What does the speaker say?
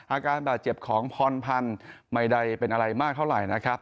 อาการบาดเจ็บของพรพันธ์ไม่ได้เป็นอะไรมากเท่าไหร่นะครับ